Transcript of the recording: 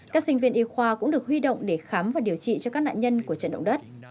các sinh viên y khoa cũng được huy động để khám và điều trị cho các nạn nhân của trận động đất